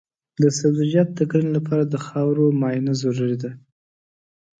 د سبزیجاتو د کرنې لپاره د خاورو معاینه ضروري ده.